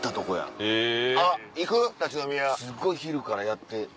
すっごい昼からやって。